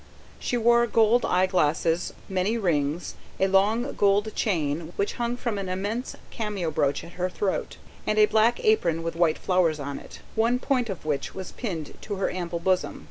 She wore gold eyeglasses, many rings, a long gold chain, which hung from an immense cameo brooch at her throat, and a black apron with white flowers on it, one point of which was pinned to her ample bosom.